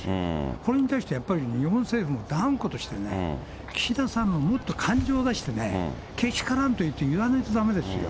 これに対してやっぱり日本政府も断固としてね、岸田さんももっと感情出してね、けしからんと言わないとだめですよ。